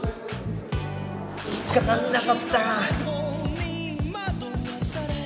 引っかかんなかったか！